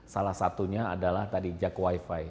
salah satunya adalah tadi jak wifi